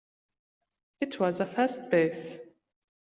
It was a fast pace.